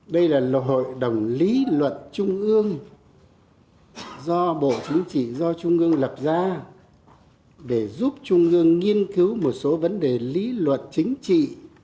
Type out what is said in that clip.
đây là hội đồng lý luận trung ương do bộ chính trị do trung ương lập ra để giúp trung ương nghiên cứu một số vấn đề lý luận chính trị